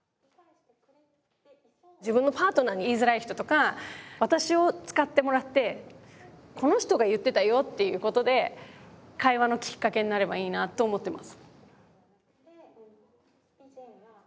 自分のパートナーに言いづらい人とか私を使ってもらって「この人が言ってたよ」っていうことで会話のきっかけになればいいなと思ってます。